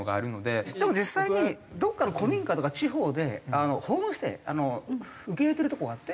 でも実際にどこかの古民家とか地方でホームステイ受け入れてるとこがあって。